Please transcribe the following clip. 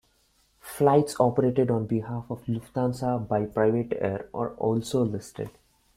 Flights operated on behalf of Lufthansa by PrivatAir are also listed.